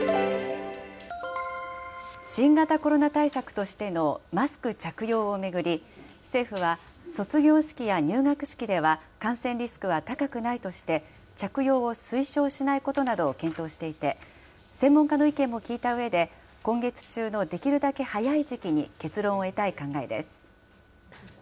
新型コロナ対策としてのマスク着用を巡り、政府は卒業式や入学式では感染リスクは高くないとして、着用を推奨しないことなどを検討していて、専門家の意見も聞いたうえで、今月中のできるだけ早い時期に結論を得たい考えです。